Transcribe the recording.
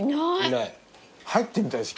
入ってみたいです